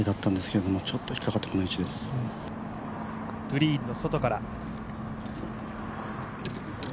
グリーンの外から。